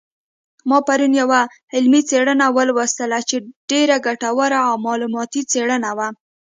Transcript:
ما پرون یوه علمي څېړنه ولوستله چې ډېره ګټوره او معلوماتي څېړنه وه